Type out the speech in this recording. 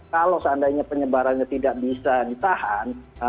kalau seandainya penyebarannya tidak bisa ditahan